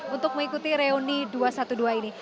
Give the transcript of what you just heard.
untuk mengikuti reuni dua ratus dua belas ini